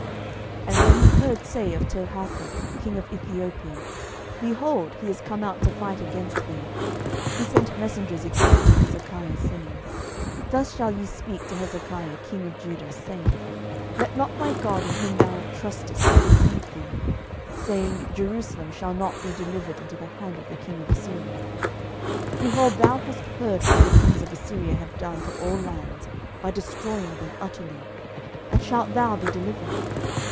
12:019:009 And when he heard say of Tirhakah king of Ethiopia, Behold, he is come out to fight against thee: he sent messengers again unto Hezekiah, saying, 12:019:010 Thus shall ye speak to Hezekiah king of Judah, saying, Let not thy God in whom thou trustest deceive thee, saying, Jerusalem shall not be delivered into the hand of the king of Assyria. 12:019:011 Behold, thou hast heard what the kings of Assyria have done to all lands, by destroying them utterly: and shalt thou be delivered?